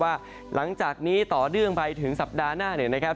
หลังจากนี้ต่อเนื่องไปถึงสัปดาห์หน้าเนี่ยนะครับ